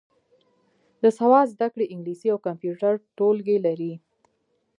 د سواد زده کړې انګلیسي او کمپیوټر ټولګي لري.